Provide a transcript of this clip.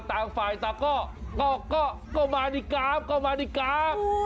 ต่างฝ่ายต่างก็มาดีกราฟก็มาดีกราฟ